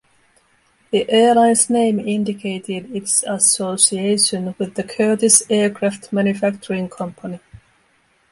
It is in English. The airline's name indicated its association with the Curtiss aircraft manufacturing company.